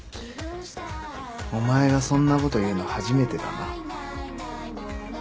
お前がそんなこと言うの初めてだな。